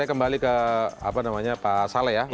kembali ke apa namanya pak saleh ya